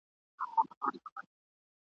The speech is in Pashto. خو چي لوی سي تل د ده په ځان بلاوي ..